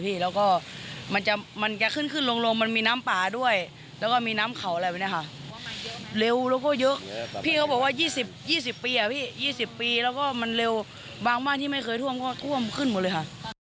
๒๐ปีแล้วก็มันเร็วบางบ้านที่ไม่เคยท่วมก็ท่วมขึ้นหมดเลยค่ะ